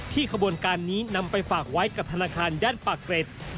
ขบวนการนี้นำไปฝากไว้กับธนาคารย่านปากเกร็ด